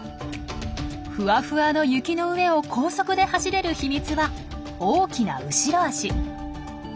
ふわふわの雪の上を高速で走れる秘密は大きな後ろ足。